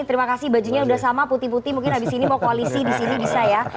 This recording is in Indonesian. terima kasih bajunya sudah sama putih putih mungkin habis ini mau koalisi di sini bisa ya